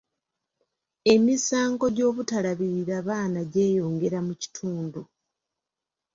Emisango gy'obutalabirira baana gyeyongera mu kitundu.